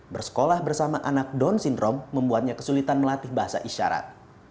bersekolah bersama anak down syndrome membuatnya kesulitan melatih bahasa isyarat